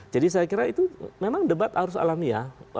jadi saya kira itu memang debat harus alamiah